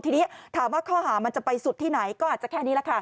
ทีนี้ถามว่าข้อหามันจะไปสุดที่ไหนก็อาจจะแค่นี้แหละค่ะ